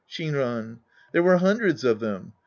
Shinran. There were hundreds of them.